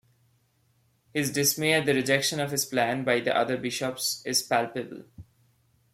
His dismay at the rejection of his plan by the other bishops is palpable.